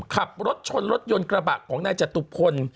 ขับรถชนรถยนต์กระบะของนายจตุพล